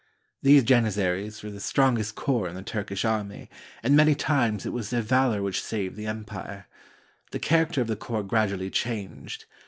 [These Janizaries were the strongest corps in the Turkish army, and many times it was their valor which saved the em pire. The character of the corps gradually changed.